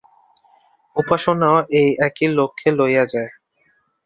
উপাসনাও এই একই লক্ষ্যে লইয়া যায়।